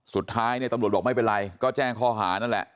สุดท้ายเนี่ยตำรวจบอกไม่เป็นไรก็แจ้งข้อหานั่นแหละ